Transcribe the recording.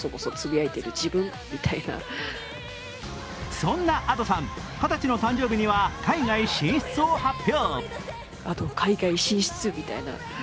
そんなＡｄｏさん、二十歳の誕生日には海外進出を発表。